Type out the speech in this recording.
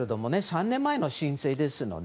３年前に申請ですので。